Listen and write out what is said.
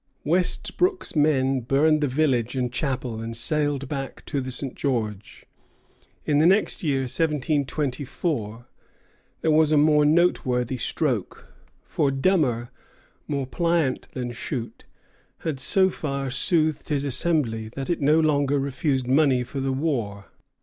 Westbrook's men burned the village and chapel, and sailed back to the St. George. In the next year, 1724, there was a more noteworthy stroke; for Dummer, more pliant than Shute, had so far soothed his Assembly that it no longer refused money for the war.